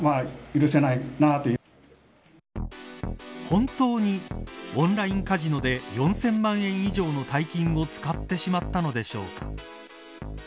本当にオンラインカジノで４０００万円以上の大金を使ってしまったのでしょうか。